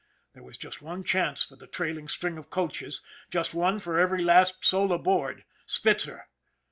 There was just one chance for the trailing string of coaches, just one for every last soul aboard Spitzer.